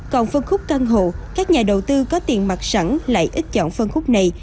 còn phân khúc căn hộ các nhà đầu tư có tiền mặt sẵn lại ít chọn phân khúc này